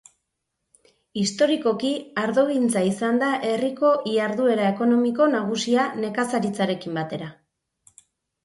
Historikoki ardogintza izan da herriko iharduena ekonomiko nagusia nekazaritzarekin batera.